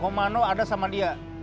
kita akan berbicara sama dia